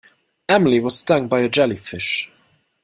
Emily was stung by a jellyfish.